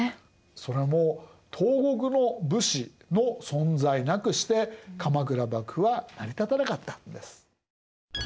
それも東国の武士の存在なくして鎌倉幕府は成り立たなかったんです。